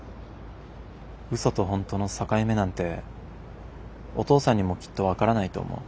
嘘と本当の境目なんてお父さんにもきっと分からないと思う。